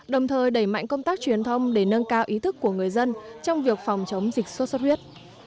đồng thời đẩy mạnh công tác truyền thông để nâng cao ý thức của người dân trong việc phòng chống dịch sốt xuất huyết